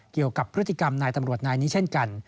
เกี่ยวกับพฤติกรรมนายตำรวจนายนี้เช่นกัน